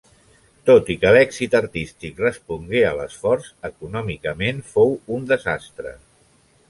Tot i que l'èxit artístic respongué a l'esforç, econòmicament fou un desastre.